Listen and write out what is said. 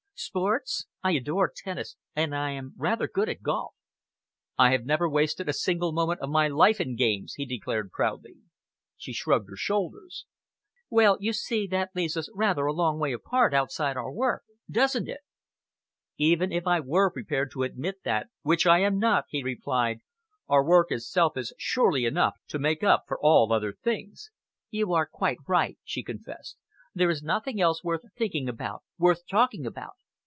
Sports? I adore tennis and I am rather good at golf." "I have never wasted a single moment of my life in games," he declared proudly. She shrugged her shoulders. "Well, you see, that leaves us rather a long way apart, outside our work, doesn't it?" "Even if I were prepared to admit that, which I am not," he replied, "our work itself is surely enough to make up for all other things." "You are quite right," she confessed. "There is nothing else worth thinking about, worth talking about.